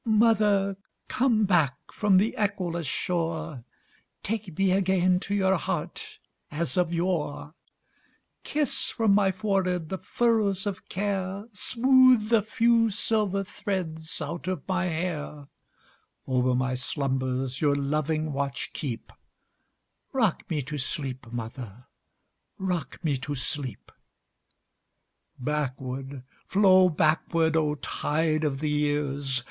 Mother, come back from the echoless shore, Take me again to your heart as of yore; Kiss from my forehead the furrows of care, Smooth the few silver threads out of my hair; Over my slumbers your loving watch keep;—Rock me to sleep, mother,—rock me to sleep! Backward, flow backward, O tide of the years!